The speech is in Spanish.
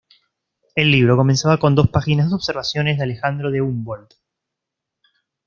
El libro comenzaba con dos páginas de observaciones de Alejandro de Humboldt.